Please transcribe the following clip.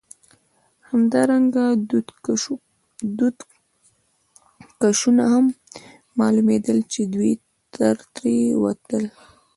همدارنګه دودکشونه هم معلومېدل، چې دود ترې وتل.